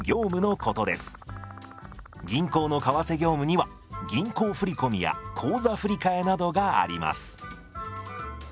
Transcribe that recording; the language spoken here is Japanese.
銀行の為替業務には銀行振込や口座振替などがあります。